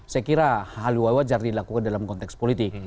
saya kira hal wajar dilakukan dalam konteks politik